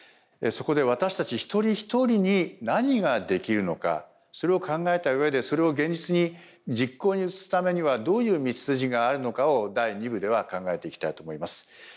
そこで私たち一人一人に何ができるのかそれを考えたうえでそれを現実に実行に移すためにはどういう道筋があるのかを第二部では考えていきたいと思います。